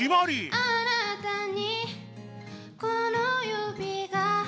「あなたにこの指が」